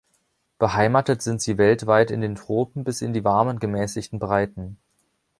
Beheimatet sind sie weltweit in den Tropen bis in die warmen gemäßigten Breiten.